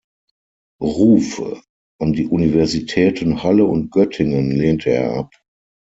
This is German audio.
Rufe an die Universitäten Halle und Göttingen lehnte er ab.